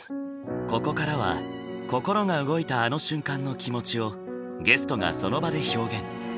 ここからは心が動いたあの瞬間の気持ちをゲストがその場で表現。